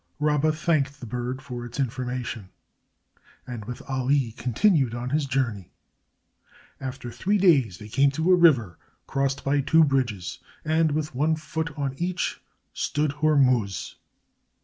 Rabba thanked the bird for its information, and with Ali continued on his journey. After three days they came to a river crossed by two bridges, and with one foot on each stood Hormuz.